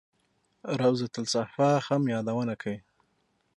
روضته الصفا هم یادونه کوي.